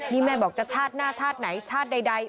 นี่แม่บอกจะชาติหน้าชาติไหนชาติใด